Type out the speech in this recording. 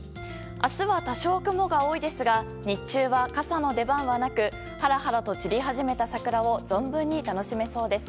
明日は多少、雲が多いですが日中は傘の出番はなくはらはらと散り始めた桜を存分に楽しめそうです。